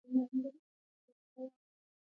تاریخ د سترگو د لیدو وړ دی.